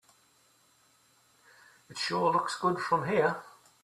It sure looks good from here.